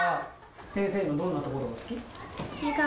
先生のどんなところが好き？